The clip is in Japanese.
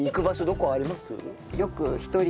どこかあります？